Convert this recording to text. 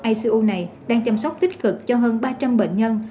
icu này đang chăm sóc tích cực cho hơn ba trăm linh bệnh nhân